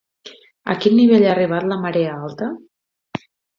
A quin nivell ha arribat la marea alta?